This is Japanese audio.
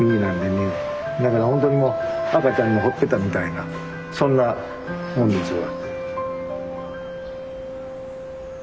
だからほんとにもう赤ちゃんのほっぺたみたいなそんなもんですわ。